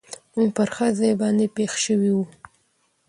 موږ پر ښه ځای باندې پېښ شوي و.